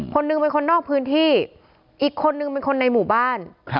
คนหนึ่งเป็นคนนอกพื้นที่อีกคนนึงเป็นคนในหมู่บ้าน